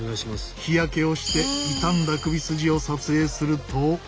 日焼けをして痛んだ首筋を撮影すると。